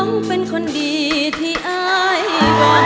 ร้องเป็นคนดีที่อ้ายก่อนอ่าน